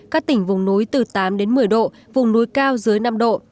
các tỉnh vùng núi từ tám đến một mươi độ vùng núi cao dưới năm độ